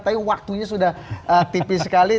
tapi waktunya sudah tipis sekali